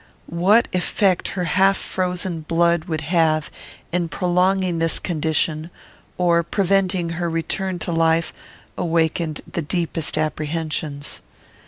What effect her half frozen blood would have in prolonging this condition, or preventing her return to life, awakened the deepest apprehensions.